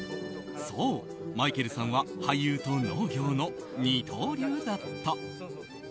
そう、マイケルさんは俳優と農業の二刀流だった。